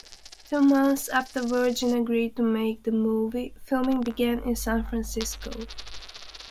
Two months after Virgin agreed to make the movie, filming began in San Francisco.